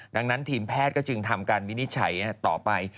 ดังนั้นทีมแพทย์ก็จึงทำการวินิจฉัยต่อไป